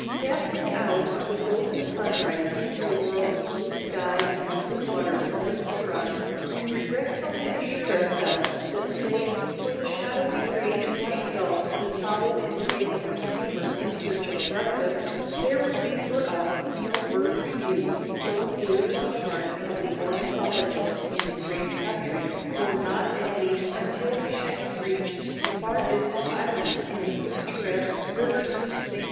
Passing out of the golden sunrise into a world of blue sky and the blue waters of Lake Huron, we regretfully assured ourselves that save for the shadowy gray and white gulls that followed in the wake of our steamer in search of a breakfast, there would be for us no bird reviews so dear to the heart of the ornithologist in a strange country, or not at least until we should have reached the far distant islands in the picturesque River Sault Ste.